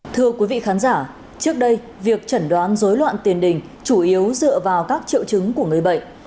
thưa quý vị khán giả trước đây việc chẩn đoán dối loạn tiền đình chủ yếu dựa vào các triệu chứng của người bệnh